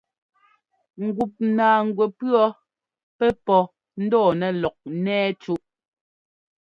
Ŋgup naaŋgwɛ pʉɔ́ pɛ́ pɔ́ ńdɔɔ nɛ lɔk ńnɛ́ɛ cúꞌ.